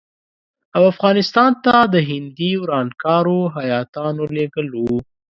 او افغانستان ته د هندي ورانکارو هیاتونه لېږل وو.